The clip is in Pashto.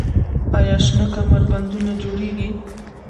آیا شنه کمربندونه جوړیږي؟